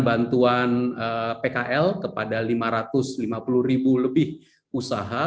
bantuan pkl kepada lima ratus lima puluh ribu lebih usaha